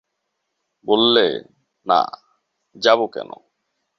বললে, না, যাব কেন?